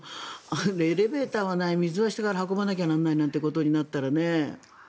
エレベーターはない水は下から運ばなければならないなんてことになったらね。